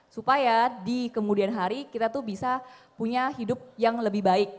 supaya di kemudian hari kita tuh bisa punya hidup yang lebih baik